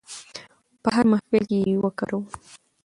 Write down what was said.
په هر محفل کې یې وکاروو.